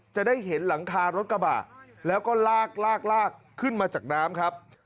จะได้เห็นหลังคารถกระบะแล้วก็ลากลากขึ้นมาจากน้ำครับ